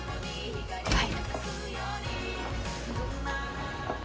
はい。